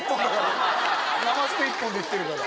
ナマステ１本でいってるから。